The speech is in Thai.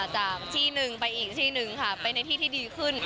จากที่หนึ่งไปอีกที่หนึ่งค่ะไปในที่ที่ดีขึ้น